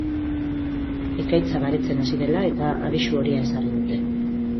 Ekaitza baretzen hasi dela eta, abisu horia ezarri dute.